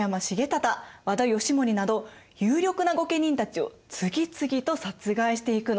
和田義盛など有力な御家人たちを次々と殺害していくの。